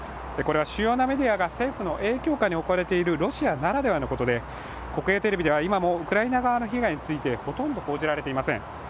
これは主要なメディアが政府に置かれているならではのことで、国営テレビでは今もウクライナ側の被害についてほとんど報じられていません。